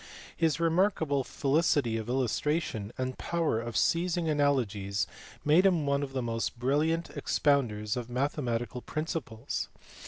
His remarkable felicity of illustration and power of seizing analogies made him one of the most brilliant expounders of mathematical principles.